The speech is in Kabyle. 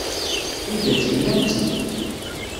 Tidet, tennam-tt-id.